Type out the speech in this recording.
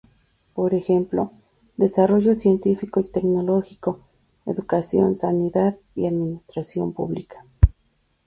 Por ejemplo: desarrollo científico y tecnológico, educación, sanidad, y administración pública.